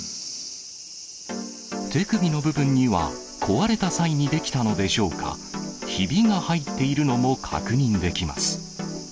手首の部分には、壊れた際に出来たのでしょうか、ひびが入っているのも確認できます。